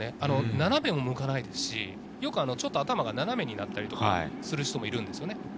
斜めにも向かないし、よく頭が斜めになったりする人もいるんです。